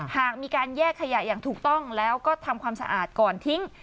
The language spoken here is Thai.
หากมีการแยกขยะอย่างถูกต้องแล้วก็ทำความสะอาดก่อนทิ้ง